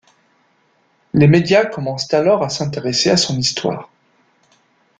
Les médias commencent alors à s'intéresser à son histoire.